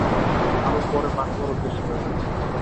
আরও পরে পাঠাবার উদ্দেশ্য রইল।